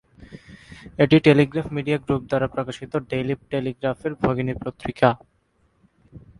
এটি Telegraph Media Group দ্বারা প্রকাশিত "ডেইলি টেলিগ্রাফের" ভগিনী পত্রিকা।